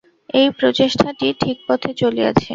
এই প্রচেষ্টাটি ঠিক পথে চলিয়াছে।